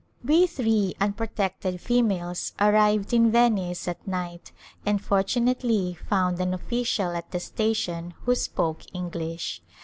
We three unprotected females arrived in Venice at night and fortunately found an official at the station who spoke English.